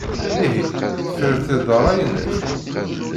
Ihi, tefriḍ-tt-id ed ṛṛay-nnek?